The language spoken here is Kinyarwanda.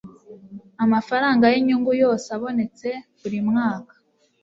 amafaranga y'inyungu yose abonetse buri mwaka